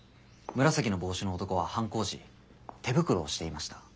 紫の帽子の男は犯行時手袋をしていました。